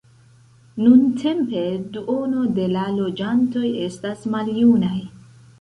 Nuntempe duono de la loĝantoj estas maljunaj.